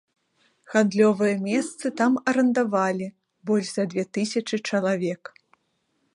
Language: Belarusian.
Гандлёвыя месцы там арандавалі больш за дзве тысячы чалавек.